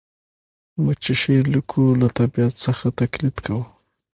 موږ چي شعر لیکو له طبیعت څخه تقلید کوو.